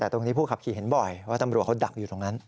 แต่ตรงนี้ผู้ขับขี่เห็นบ่อยว่าตำรวจเขาดักอยู่ตรงนั้น